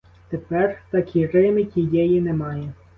Тепер, так і рими тієї нема.